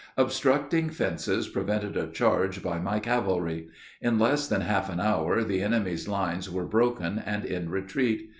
Obstructing fences prevented a charge by my cavalry. In less than half an hour the enemy's lines were broken and in retreat.